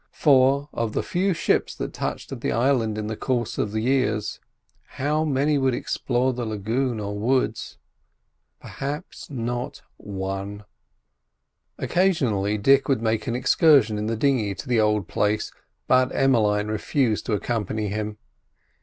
For, of the few ships that touched at the island in the course of years, how many would explore the lagoon or woods? Perhaps not one. Occasionally Dick would make an excursion in the dinghy to the old place, but Emmeline refused to accompany him.